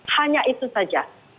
hanya itu saja